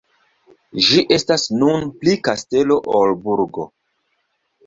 Ĝi estas nun pli kastelo ol burgo.